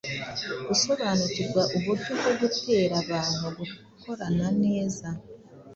gusobanukirwa uburyo bwo gutera abandi gukorana neza.